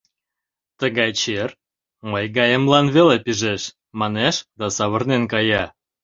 Тыгай «чер» мый гаемлан веле пижеш... — манеш да савырнен кая.